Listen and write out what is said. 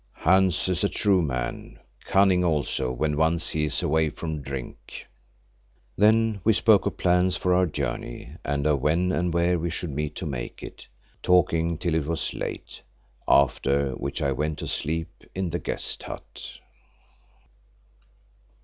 "Hans is a true man, cunning also when once he is away from drink." Then we spoke of plans for our journey, and of when and where we should meet to make it, talking till it was late, after which I went to sleep in the guest hut.